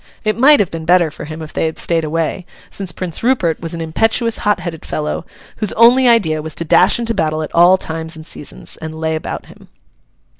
It might have been better for him if they had stayed away; since Prince Rupert was an impetuous, hot headed fellow, whose only idea was to dash into battle at all times and seasons, and lay about him.